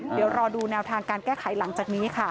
เดี๋ยวรอดูแนวทางการแก้ไขหลังจากนี้ค่ะ